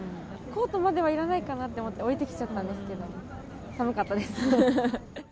コートまではいらないかなと思って、置いてきちゃったんですけど、寒かったです。